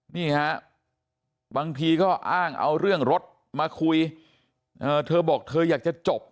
นี่ฮะบางทีก็อ้างเอาเรื่องรถมาคุยเธอบอกเธออยากจะจบ